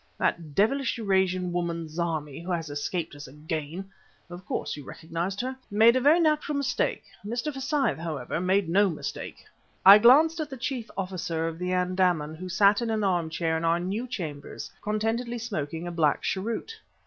That devilish Eurasian woman, Zarmi, who has escaped us again of course you recognized her? made a very natural mistake. Mr. Forsyth, however, made no mistake!" I glanced at the chief officer of the Andaman, who sat in an armchair in our new chambers, contentedly smoking a black cheroot.